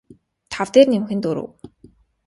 тав дээр нэмэх нь дөрөв